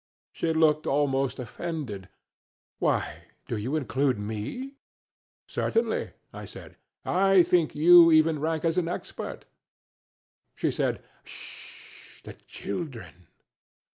She looked almost offended, "Why, do you include me?" "Certainly," I said. "I think you even rank as an expert." She said "Sh 'sh! the children!"